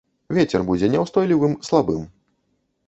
Вецер будзе няўстойлівым слабым.